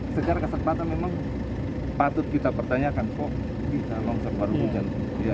secara kesempatan memang patut kita pertanyakan kok kita longsor hujan